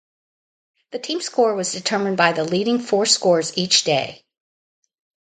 The team score was determined by the leading four scores each day.